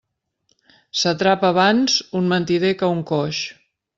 S'atrapa abans un mentider que un coix.